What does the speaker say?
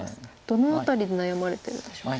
どの辺りで悩まれてるんでしょう。